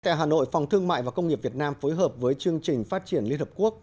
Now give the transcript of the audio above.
tại hà nội phòng thương mại và công nghiệp việt nam phối hợp với chương trình phát triển liên hợp quốc